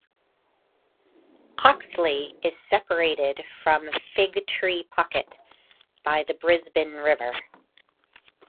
Oxley is separated from Fig Tree Pocket by the Brisbane River.